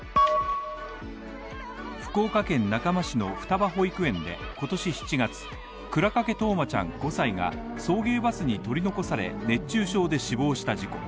福岡県中間市の双葉保育園で今年７月、倉掛冬生ちゃん５歳が送迎バスに取り残され、熱中症で死亡した事故。